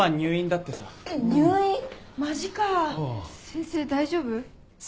先生大丈夫？